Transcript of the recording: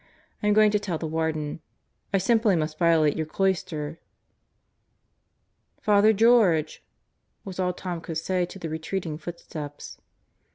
I'm going to tell the Warden. I simply must violate your cloister." "Father George!" was all Tom could say to the retreating footsteps.